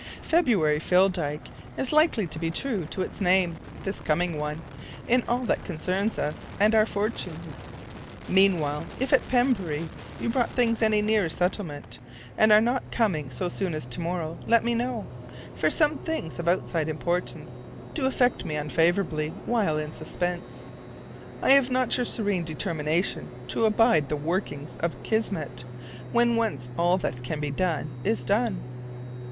February fill dyke is likely to be true to its name, this coming one, in all that concerns us and our fortunes. Meanwhile, if at Pembury you brought things any nearer settlement, and are not coming so soon as to morrow, let me know: for some things of "outside importance" do affect me unfavorably while in suspense. I have not your serene determination to abide the workings of Kismet when once all that can be done is done.